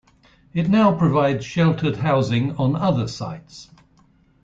It now provides sheltered housing on other sites.